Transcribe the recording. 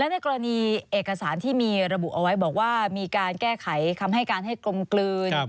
ในกรณีเอกสารที่มีระบุเอาไว้บอกว่ามีการแก้ไขคำให้การให้กลมกลืน